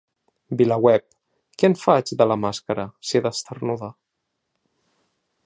VilaWeb: Què en faig, de la màscara, si he d’esternudar?